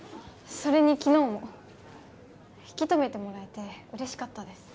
それに昨日も引きとめてもらえて嬉しかったです